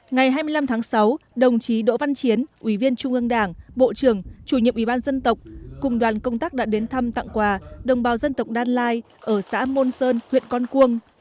ngày hai mươi năm tháng sáu đồng chí đỗ văn chiến ủy viên trung ương đảng bộ trưởng chủ nhiệm ủy ban dân tộc cùng đoàn công tác đã đến thăm tặng quà đồng bào dân tộc đan lai ở xã môn sơn huyện con cuông